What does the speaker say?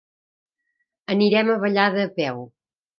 Anirem a Vallada a peu.